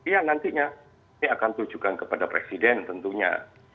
ya nantinya ini akan tunjukkan kepada presiden tentunya